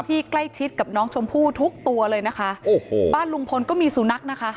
ใกล้ชิดกับน้องชมพู่ทุกตัวเลยนะคะโอ้โหบ้านลุงพลก็มีสุนัขนะคะ